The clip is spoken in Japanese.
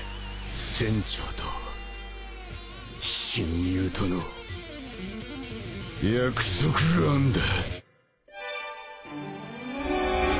船長と親友との約束があんだ。